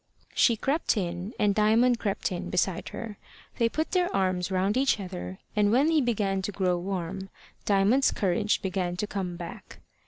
She crept in, and Diamond crept in beside her. They put their arms round each other, and when he began to grow warm, Diamond's courage began to come back.